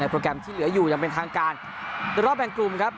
โปรแกรมที่เหลืออยู่อย่างเป็นทางการรอบแบ่งกลุ่มครับ